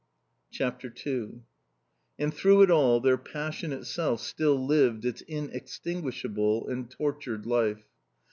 ii And through it all their passion itself still lived its inextinguishable and tortured life.